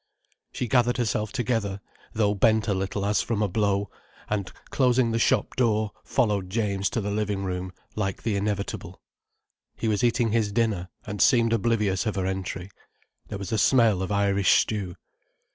She gathered herself together, though bent a little as from a blow, and, closing the shop door, followed James to the living room, like the inevitable. He was eating his dinner, and seemed oblivious of her entry. There was a smell of Irish stew.